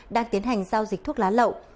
đang tiến hành giao dịch thuốc lá lậu